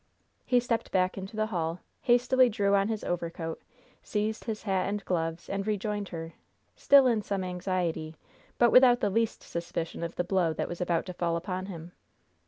He stepped back into the hall, hastily drew on his overcoat, seized his hat and gloves, and rejoined her, still in some anxiety, but without the least suspicion of the blow that was about to fall upon him.